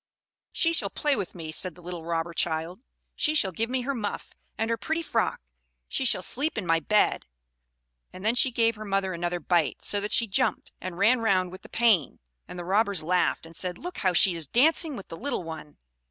"She shall play with me," said the little robber child. "She shall give me her muff, and her pretty frock; she shall sleep in my bed!" And then she gave her mother another bite, so that she jumped, and ran round with the pain; and the Robbers laughed, and said, "Look, how she is dancing with the little one!"